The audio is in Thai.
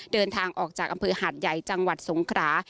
เดินทางออกจากอำเภอหาดใหญ่จังหวัดสงครา